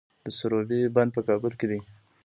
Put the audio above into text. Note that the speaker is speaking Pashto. د سروبي بند په کابل کې دی